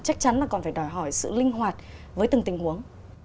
chắc chắn là còn phải đòi hỏi sự linh hoạt với từng tình huống